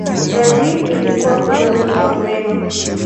Brazil ilikuwa koloni la Ureno.